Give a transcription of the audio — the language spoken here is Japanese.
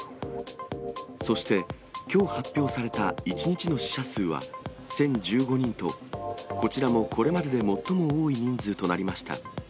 そして、きょう発表された１日の死者数は１０１５人と、こちらもこれまでで最も多い人数となりました。